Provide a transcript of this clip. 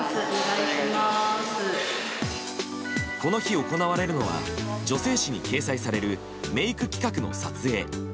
この日、行われるのは女性誌に掲載されるメイク企画の撮影。